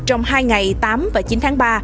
trong hai ngày tám và chín tháng ba